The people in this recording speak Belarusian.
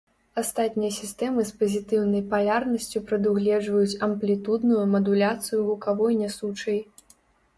Астатнія сістэмы з пазітыўнай палярнасцю прадугледжваюць амплітудную мадуляцыю гукавой нясучай.